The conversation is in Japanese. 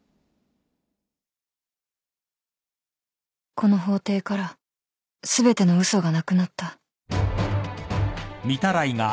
この法廷から全ての嘘がなくなった